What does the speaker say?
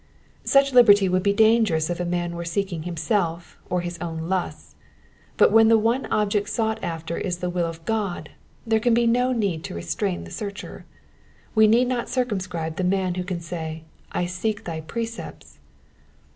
Such liberty would be dangerous if a man were seeking himself or his own lusts ; but when the one object sought after is the will of God, there can be no need to restrain the searcher. We need not circum scribe the man who can say, ^^ I seek thy precepts."